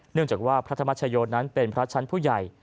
เนื่องจากว่าพระธรรมชโยนั้นเป็นพระชั้นผู้ใหญ่